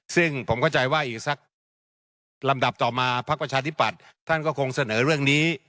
ซึ่งผมเข้าใจว่าอีกสักพักลำดับต่อมาพักประชาธิปัตย์ท่านก็คงเสนอเรื่องนี้